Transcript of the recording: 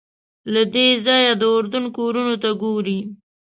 له دې ځایه د اردن کورونو ته ګورې.